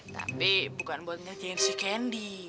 tapi bukan buat ngertiin si candy